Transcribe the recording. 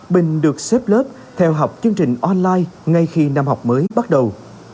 bình được xếp lớp theo học chương trình online ngay khi năm học mới bắt đầu